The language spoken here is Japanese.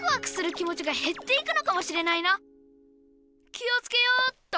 気をつけようっと！